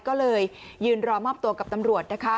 ก็เลยยืนรอมอบตัวกับตำรวจนะคะ